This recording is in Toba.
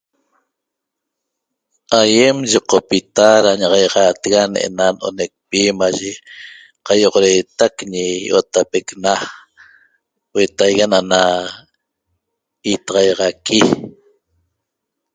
Aiem yeqopita ra ñaxaixatega ne'ena no'onecpi mashe qaioxoretac Ñi Io'otapecna huetaigui na'ana itaxaiaxaqui